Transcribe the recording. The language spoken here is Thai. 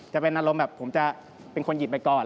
จะเป็นอารมณ์แบบผมจะเป็นคนหยิบไปก่อน